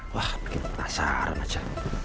wah bikin penasaran aja